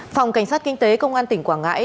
phòng cảnh sát kinh tế công an tỉnh quảng ngãi